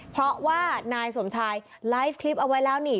เพราะว่านายสมชายไลฟ์คลิปเอาไว้แล้วนี่